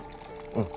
うん。